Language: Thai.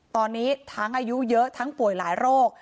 ตอนนี้ทั้งอายุเยอะทั้งป่วยหลายโรค